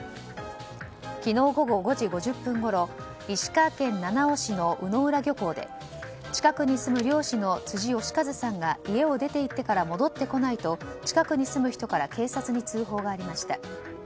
昨日午後５時５０分ごろ石川県七尾市の鵜浦漁港で近くに住む漁師の辻吉和さんが家を出ていってから戻ってこないと近くに住む人から警察に通報がありました。